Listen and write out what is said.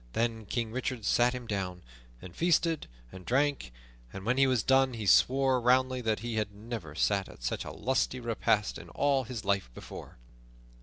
Then King Richard sat him down and feasted and drank, and when he was done he swore roundly that he had never sat at such a lusty repast in all his life before.